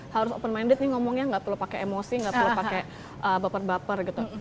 harus open minded nih ngomongnya nggak perlu pakai emosi nggak perlu pakai baper baper gitu